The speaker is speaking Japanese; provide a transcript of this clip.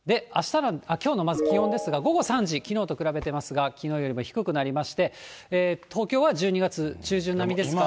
きょうのまず気温ですが、午後３時、きのうと比べてますが、きのうよりも低くなりまして、東京は１２月中旬並みですが。